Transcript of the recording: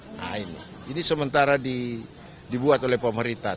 nah ini ini sementara dibuat oleh pemerintah